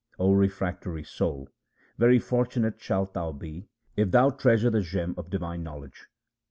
O refractory soul, very fortunate shalt thou be if thou treasure the gem of divine knowledge.